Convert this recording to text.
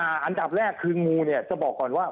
อันดับแรกคืองูเนี่ยจะบอกก่อนว่า